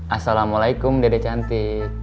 assalamualaikum dede cantik